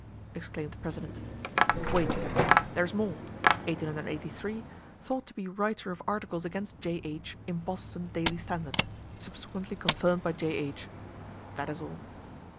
exclaimed the president. "Wait," said Z, "there is more. 1883, thought to be writer of articles against J.H. in Boston 'Daily Standard.' Subsequently confirmed by J.H. That is all."